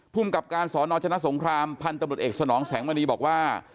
กับการสอนอชนะสงครามพันธุ์ตำรวจเอกสนองแสงมณีบอกว่า